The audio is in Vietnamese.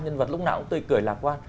nhân vật lúc nào cũng tươi cười lạc quan